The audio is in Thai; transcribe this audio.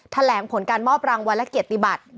แถลงผลการมอบรางวัลและเกียรติบัติ